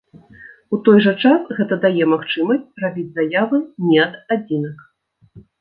У той жа час гэта дае магчымасць рабіць заявы не ад адзінак.